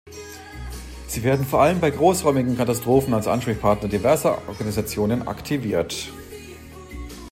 Sie werden vor allem bei großräumigen Katastrophen als Ansprechpartner diverser Organisationen aktiviert.